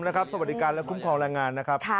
สวัสดีกันและคุ้มของรายงาน